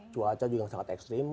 cuaca juga sangat ekstrim